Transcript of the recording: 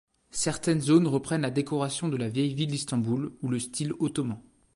Certaines zones reprennent la décoration de la vieille ville d'Istanbul ou le style Ottoman.